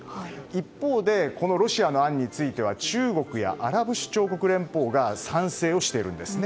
一方でロシアのこの案については中国やアラブ首長国連邦が賛成しているんです。